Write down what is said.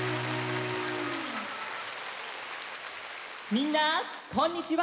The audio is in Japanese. みんなこんにちは！